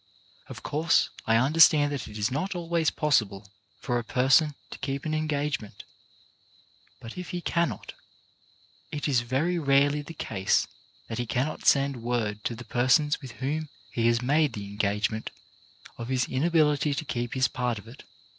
Of course I understand that it is not always possible for a person to keep an engagement, but if he cannot, it is very rarely the case that he cannot send word to the person with whom he has made the engagement of his inability to keep his part of it.